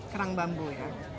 kerang bambu ya